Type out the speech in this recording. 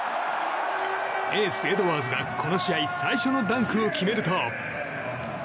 エース、エドワーズがこの試合最初のダンクを決めると。